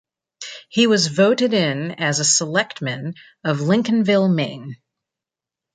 He was voted in as a selectmen of Lincolnville, Maine.